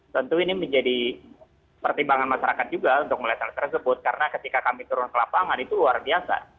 tentu ini menjadi pertimbangan masyarakat juga untuk melihat hal tersebut karena ketika kami turun ke lapangan itu luar biasa